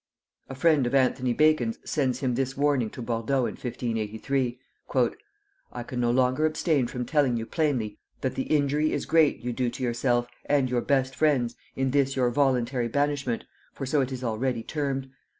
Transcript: "] A friend of Anthony Bacon's sends him this warning to Bordeaux in 1583: "I can no longer abstain from telling you plainly that the injury is great, you do to yourself, and your best friends, in this your voluntary banishment (for so it is already termed)....